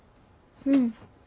うん。